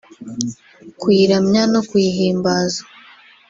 kuyiramya no kuyihimbaza